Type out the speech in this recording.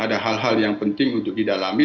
ada hal hal yang penting untuk didalami